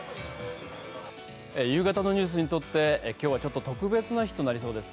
夕方のニュースにとって、今日は特別な日となりそうです。